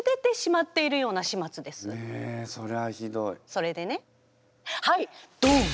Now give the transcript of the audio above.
それでねはいどん！